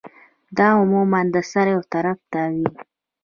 دا عموماً د سر يو طرف ته وی